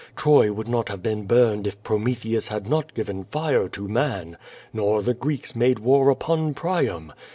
Troy would not have been burned if Prometheus had not given lire to man, nor the Greeks made war upon Priam.